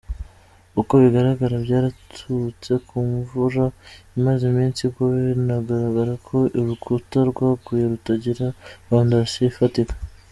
Uko bigaragara byaturutse kumvura imaze iminsi igwa, biranagaragara ko ururukuta rwaguye rutagiraga foundation ifatika.